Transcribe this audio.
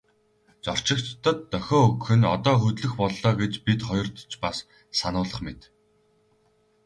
Зорчигчдод дохио өгөх нь одоо хөдлөх боллоо гэж бид хоёрт ч бас сануулах мэт.